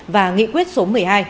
và nghị quyết số một mươi hai